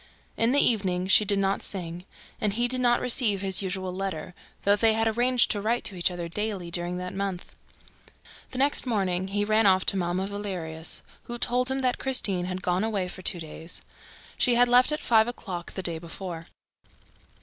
In the evening, she did not sing; and he did not receive his usual letter, though they had arranged to write to each other daily during that month. The next morning, he ran off to Mamma Valerius, who told him that Christine had gone away for two days. She had left at five o'clock the day before.